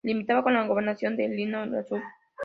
Limitaba con la gobernación de Livonia al sur.